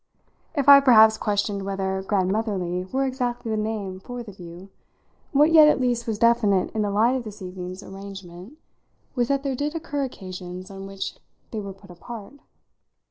If I perhaps questioned whether "grandmotherly" were exactly the name for the view, what yet at least was definite in the light of this evening's arrangement was that there did occur occasions on which they were put apart.